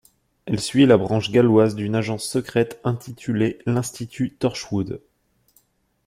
Elle suit la branche galloise d'une agence secrète intitulée l'Institut Torchwood.